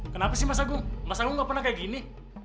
kenapa sih mas agung mas agung nggak pernah kayak gini